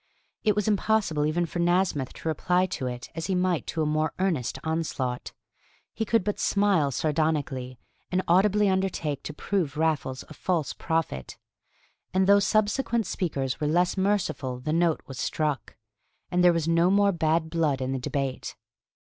It was impossible even for Nasmyth to reply to it as he might to a more earnest onslaught. He could but smile sardonically, and audibly undertake to prove Raffles a false prophet; and though subsequent speakers were less merciful the note was struck, and there was no more bad blood in the debate.